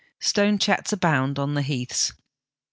Stonechats abound on the heaths.